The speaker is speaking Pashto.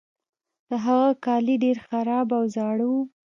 د هغه کالي ډیر خراب او زاړه وو.